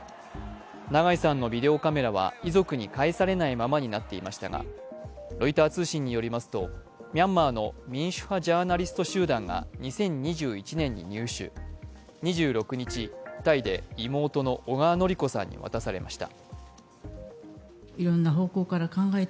長井さんのビデオカメラは遺族に返されないままになっていましたがロイター通信によりますとミャンマーの民主派ジャーナリスト集団が２０２１年に入手、２６日、タイで妹の小川典子さんに渡されました。